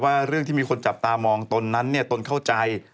เรื่องที่มีคนจับตามองตนนั้นเนี่ยตนเข้าใจ